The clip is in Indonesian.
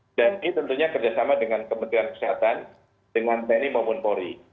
ini pula transportasi dan ini tentunya kerjasama dengan kementerian kesehatan dengan tni maupun pori